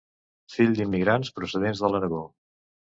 Fill d'immigrants procedents de l’Aragó.